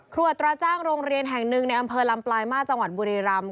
อัตราจ้างโรงเรียนแห่งหนึ่งในอำเภอลำปลายมาสจังหวัดบุรีรำ